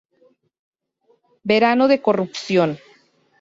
Verano de corrupción